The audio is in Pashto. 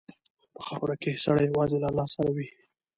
په خاوره کې سړی یوازې له الله سره وي.